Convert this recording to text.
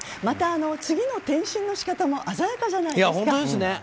また次の転身の仕方も鮮やかじゃないですか。